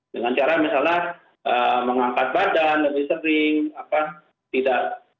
dengan cara misalnya mengangkat badan lebih sering tidak melakukan posisi yang tamam